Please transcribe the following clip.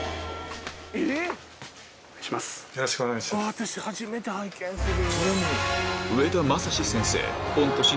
私初めて拝見する。